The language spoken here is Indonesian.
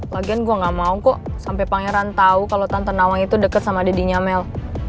lagian gue gak mau kok sampe pangeran tau kalo tante nawang itu deket sama dadinya mel